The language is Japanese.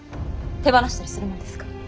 手放したりするものですか。